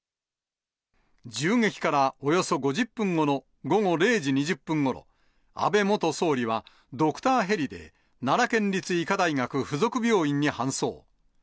銃撃からおよそ５０分後の午後０時２０分ごろ、安倍元総理はドクターヘリで、奈良県立医科大学附属病院に搬送。